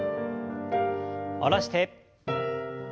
下ろして。